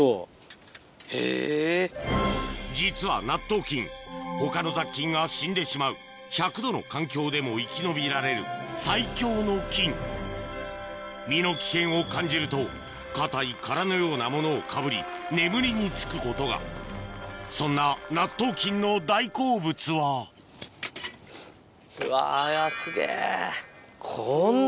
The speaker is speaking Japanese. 実は納豆菌他の雑菌が死んでしまう１００℃の環境でも生き延びられる最強の菌身の危険を感じると硬い殻のようなものをかぶり眠りにつくことがそんな納豆菌の大好物はうわすげぇ。